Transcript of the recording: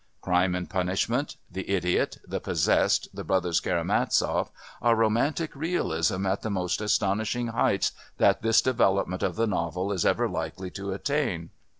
Crime and Punishment, The Idiot, The Possessed, The Brothers Karamazov are romantic realism at the most astonishing heights that this development of the novel is ever likely to attain.